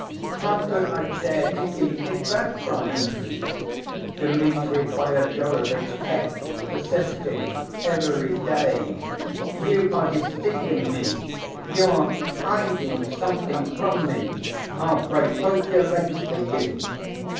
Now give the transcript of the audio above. How could I dare to keep it back from him? Dmitri Fyodorovitch kept persisting every day, 'You are deceiving me, you are hiding something from me! I'll break both your legs for you.